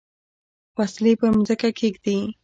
وسلې پر مځکه کښېږدي.